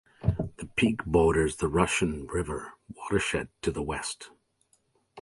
The peak borders the Russian River watershed to the west.